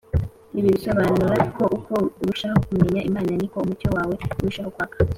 Ibi bisobanura ko uko urushaho kumenya imana ari ko umucyo wae urushaho kwaka